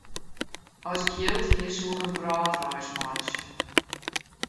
As ik jild hie, soe ik in wrâldreis meitsje.